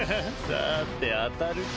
さて当たるか。